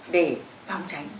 để phòng tránh